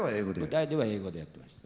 舞台では英語でやってました。